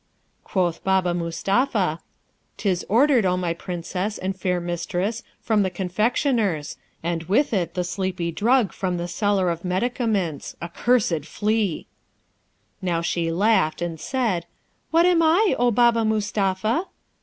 Quoth Baba Mustapha, ''Tis ordered, O my princess and fair mistress, from the confectioner's; and with it the sleepy drug from the seller of medicaments accursed flea!' Now, she laughed, and said, 'What am I, O Baba Mustapha?'